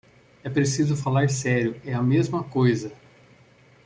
É preciso falar sério: é a mesma coisa.